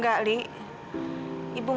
ibu akan kemana mana